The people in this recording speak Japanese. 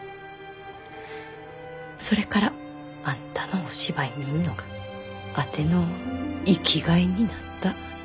それからあんたのお芝居見んのがあての生きがいになった。